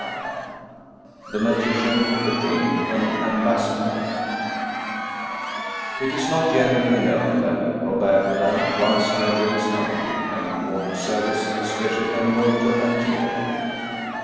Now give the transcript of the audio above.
Ill THE MAGICIAN WHO BECAME AN AMBASSADOR It is not generally known that Robert Houdin once rendered his country an important service as special envoy to Algeria.